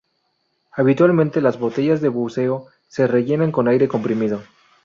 Habitualmente las botellas de buceo se rellenan con aire comprimido.